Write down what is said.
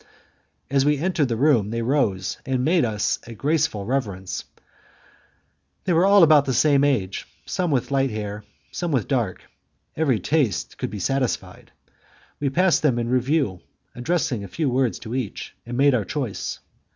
As we entered the room, they rose and made us a graceful reverence; they were all about the same age, some with light hair, some with dark; every taste could be satisfied. We passed them in review, addressing a few words to each, and made our choice.